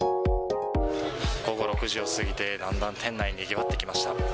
午後６時を過ぎて、だんだん店内、にぎわってきました。